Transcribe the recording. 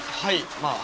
まあ。